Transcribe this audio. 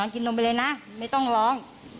คิดว่าเวลามันดื้อ